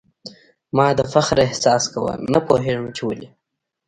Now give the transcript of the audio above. ما د فخر احساس کاوه ، نه پوهېږم چي ولي ؟